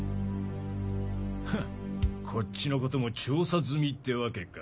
フッこっちのことも調査済みってわけか。